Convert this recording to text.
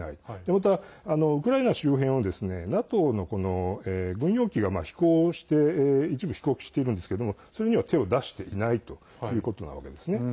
また、ウクライナ周辺をＮＡＴＯの軍用機が一部飛行しているんですけどもそれには手を出していないということなわけですね。